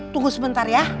tunggu sebentar ya